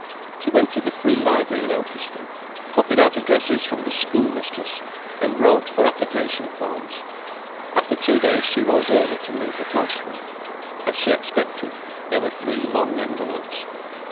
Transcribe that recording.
She went to the Free Library in Ilkeston, copied out addresses from the Schoolmistress, and wrote for application forms. After two days she rose early to meet the postman. As she expected, there were three long envelopes.